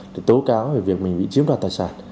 để tố cáo về việc mình bị chiếm đoạt tài sản